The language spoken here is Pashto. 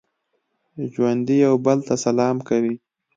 ژوندي یو بل ته سلام کوي